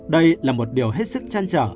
đây là một điều hết sức trăn trở